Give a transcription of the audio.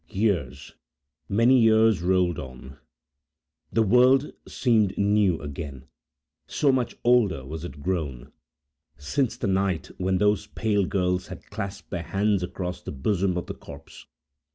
Years, many years rolled on; the world seemed new again, so much older was it grown, since the night when those pale girls had clasped their hands across the bosom of the corpse.